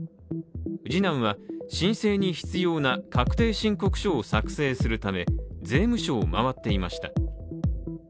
次男は申請に必要な確定申告書を作成するため税務署を回っていました。